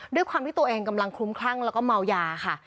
ด้วยความที่ตัวเองกำลังคลุ้มคลั่งแล้วก็เมายาค่ะ